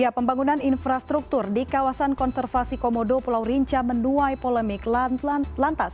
pembangunan infrastruktur di kawasan konservasi komodo pulau rinca menuai polemik lantas